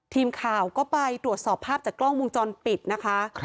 ทีมข่าวก็ไปตรวจสอบภาพจากกล้องวงจรปิดนะคะ